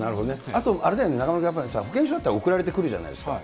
あとあれだよね、中丸君、保険証だったら送られてくるじゃないですか。